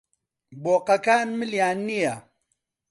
بۆقەکان ملیان نییە.